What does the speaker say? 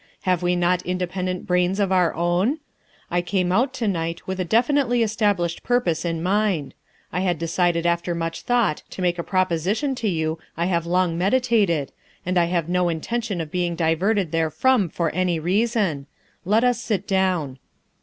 Have we not independent brains of our own? I came out to night with a definitely established purpose in mind. I had decided after much thought to make a proposition to you I have long meditated, and have no intention of being diverted therefrom for any reason. Let us sit down.